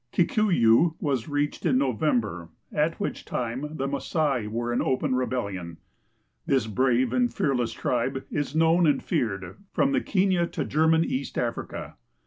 Kikuyu was reached in November, at which time the ^lasai" were in open rebellion. This Ijrave and fearless tribe is known and feared from the Kenia to German East Africa.